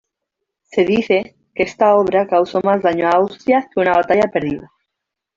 Se dice que esta obra causó más daño a Austria que una batalla perdida.